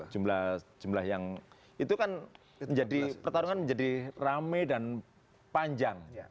jumlah jumlah yang itu kan pertarungan menjadi rame dan panjang